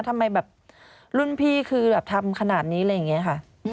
ทำไมแบบรุ่นพี่คือแบบทำขนาดนี้อะไรอย่างนี้ค่ะ